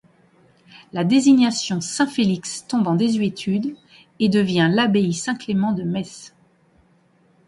La désignation Saint-Félix tombe en désuétude et devient l'Abbaye Saint-Clément de Metz.